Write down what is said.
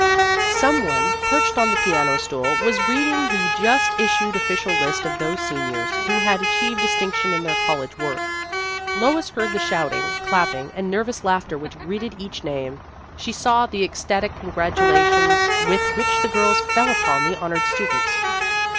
Some one, perched on the piano stool, was reading the just issued official list of those seniors who had achieved distinction in their college work. Lois heard the shouting, clapping, and nervous laughter which greeted each The History of an Ambition 37 name ; she saw the ecstatic congratula tions with which the girls fell upon the honored students.